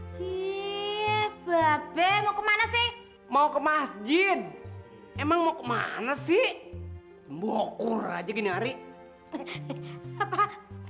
jepang mau kemana sih mau ke masjid emang mau ke mana sih mbokur aja gini hari apa